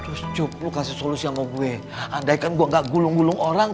terus cup lu kasih solusi sama gue andai kan gua enggak gulung gulung orang